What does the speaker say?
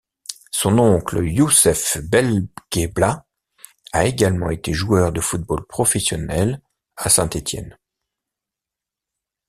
Son oncle Youssef Belkebla a également été joueur de football professionnel à Saint-Étienne.